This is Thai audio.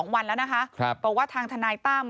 ๒วันแล้วนะคะเพราะว่าทางธนายตั้ม